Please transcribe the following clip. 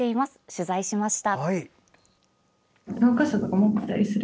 取材しました。